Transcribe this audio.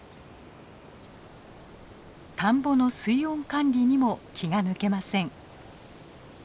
田んぼの水温管理にも気が抜けません。